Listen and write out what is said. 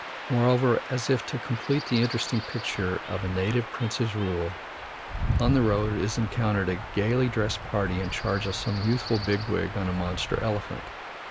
Moreover, as if to complete the interesting picture of a native prince's rule, on the road is encountered a gayly dressed party in charge of some youthful big wig on a monster elephant.